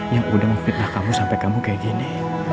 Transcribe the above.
yang udah memfitnah kamu sampai kamu kayak gini